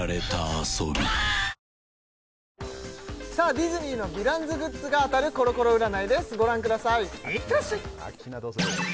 ディズニーのヴィランズグッズが当たるコロコロ占いですご覧くださいいってらっしゃい！